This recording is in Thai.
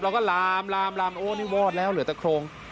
แล้วก็ลามลามลามโอ้นี่วอดแล้วเหลือแต่โครง